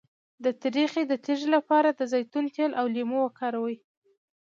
د تریخي د تیږې لپاره د زیتون تېل او لیمو وکاروئ